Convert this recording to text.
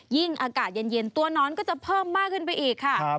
อากาศเย็นตัวนอนก็จะเพิ่มมากขึ้นไปอีกค่ะ